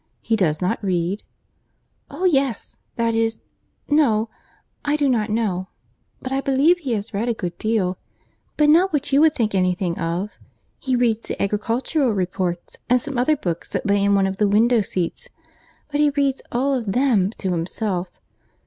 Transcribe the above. He does not read?" "Oh yes!—that is, no—I do not know—but I believe he has read a good deal—but not what you would think any thing of. He reads the Agricultural Reports, and some other books that lay in one of the window seats—but he reads all them to himself.